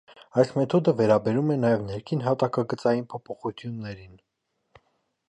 Այս մեթոդը վերաբերվում է նաև ներքին հատակագծային փոփոխություններին։